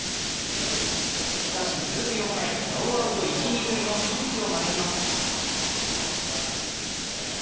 しかし続く４回、ノーアウト一・二塁のピンチを招きます。